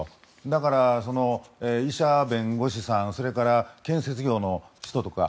だから、医者、弁護士さんそれから建設業の人とか。